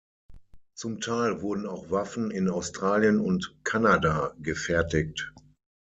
Zum Teil wurden auch Waffen in Australien und Kanada gefertigt.